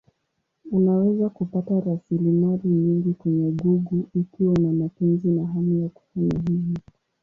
Unaweza kupata rasilimali nyingi kwenye Google ikiwa una mapenzi na hamu ya kufanya hivyo.